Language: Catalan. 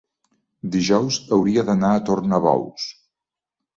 dijous hauria d'anar a Tornabous.